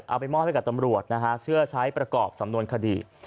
เอาไปมอบให้กับตำรวจนะฮะเพื่อใช้ประกอบสำนวนคดี